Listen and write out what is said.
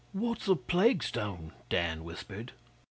'What's a plague stone?' Dan whispered.